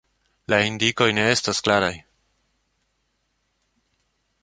La indikoj ne estas klaraj.